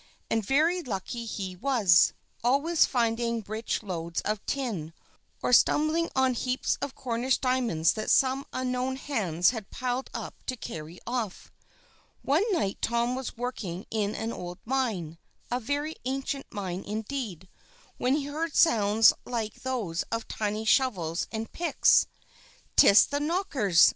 And very lucky he was, always finding rich lodes of tin, or stumbling on heaps of Cornish diamonds that some unknown hands had piled up to carry off. One night Tom was working hard in an old mine a very ancient mine indeed when he heard sounds like those of tiny shovels and picks. "'Tis the Knockers!"